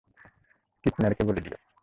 কিচ্যানারকে বলে দিয়ো।